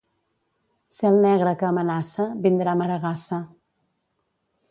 Cel negre que amenaça, vindrà maregassa.